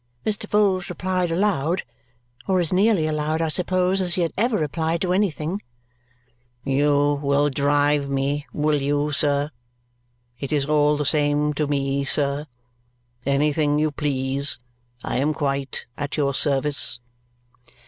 Mr. Vholes replied aloud or as nearly aloud I suppose as he had ever replied to anything "You will drive me, will you, sir? It is all the same to me, sir. Anything you please. I am quite at your service."